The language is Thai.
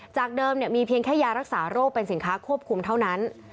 จากเดิมมีเพียงแค่ยารักษาโรคเป็นสินค้าควบคุมเท่านั้น